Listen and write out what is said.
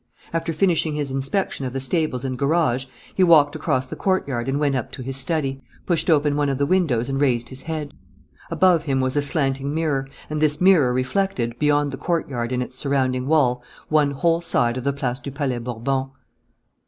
After finishing his inspection of the stables and garage, he walked across the courtyard and went up to his study, pushed open one of the windows and raised his head. Above him was a slanting mirror; and this mirror reflected, beyond the courtyard and its surrounding wall, one whole side of the Place du Palais Bourbon.